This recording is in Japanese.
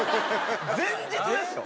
前日ですよ？